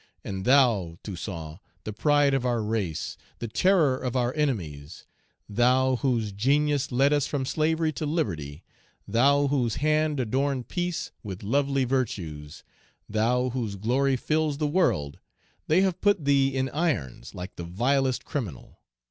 And thou, Toussaint, the pride of our race, the terror of our enemies, thou whose genius led us from slavery to liberty, thou whose hand adorned peace with lovely virtues, thou whose glory fills the world, they have put thee in irons like the vilest criminal!